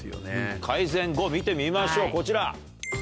改善後見てみましょうこちら。